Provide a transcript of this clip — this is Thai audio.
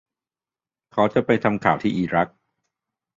เขาจะไปทำข่าวที่อิรัก